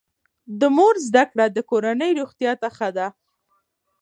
د مور زده کړه د کورنۍ روغتیا ته ښه ده.